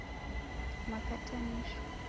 Makatanisho